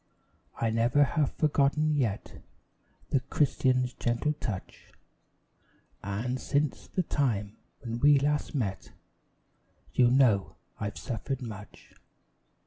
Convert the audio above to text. I never have forgotten yet The Christian's gentle touch; And, since the time when last we met, You know I've suffered much.